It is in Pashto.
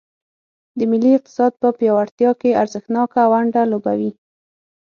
د ملي اقتصاد په پیاوړتیا کې ارزښتناکه ونډه لوبوي.